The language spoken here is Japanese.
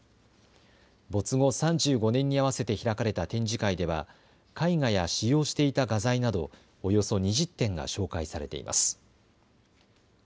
没後３５年に合わせて開かれた展示会では絵画や使用していた画材などおよそ２０点が紹介されています。